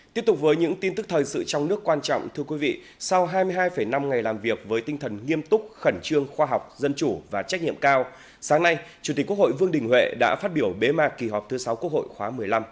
tiếp tục với những tin tức thời sự trong nước quan trọng thưa quý vị sau hai mươi hai năm ngày làm việc với tinh thần nghiêm túc khẩn trương khoa học dân chủ và trách nhiệm cao sáng nay chủ tịch quốc hội vương đình huệ đã phát biểu bế mạc kỳ họp thứ sáu quốc hội khóa một mươi năm